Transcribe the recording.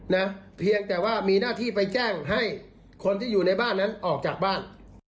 เพียงแต่ว่ามีหน้าที่ไปแจ้งให้คนที่อยู่ในบ้านนั้นออกจากบ้าน